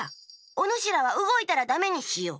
おぬしらはうごいたらダメにしよう。